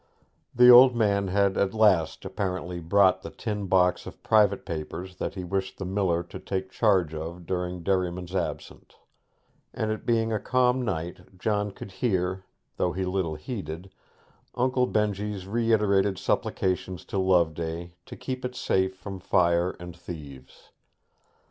The old man had at last apparently brought the tin box of private papers that he wished the miller to take charge of during Derriman's absence; and it being a calm night, John could hear, though he little heeded, Uncle Benjy's reiterated supplications to Loveday to keep it safe from fire and thieves.